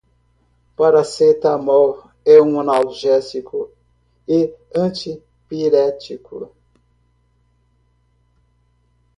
Paracetamol é um analgésico e antipirético.